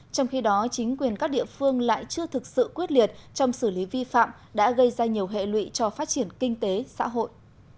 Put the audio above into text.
trong khi đó chính quyền các địa phương lại chưa thực sự quyết liệt trong xử lý vi phạm đã gây ra nhiều hệ lụy cho phát triển kinh tế xã hội